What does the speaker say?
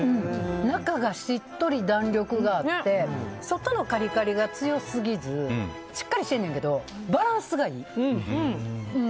中がしっとり弾力があって外のカリカリが強すぎずしっかりしてんねんけどバランスがいい。